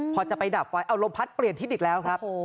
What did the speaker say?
พอจะไปดับไฟเอาลมพัดเปลี่ยนทิศอีกแล้วครับ